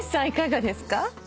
いかがですか？